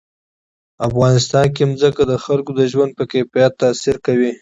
افغانستان کې ځمکه د خلکو د ژوند په کیفیت تاثیر کوي.